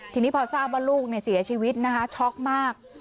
ทีนี้พอทราบว่าลูกเสียชีวิตนะคะช็อกมาก